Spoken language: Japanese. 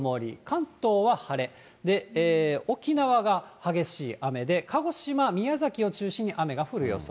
関東は晴れ、沖縄が激しい雨で、鹿児島、宮崎を中心に雨が降る予想。